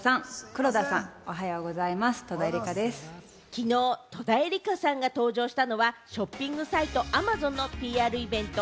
きのう戸田恵梨香さんが登場したのは、ショッピングサイト・ＡｍａｚｏｎのＰＲイベント。